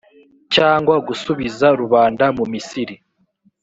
cyangwa gusubiza rubanda mu misiri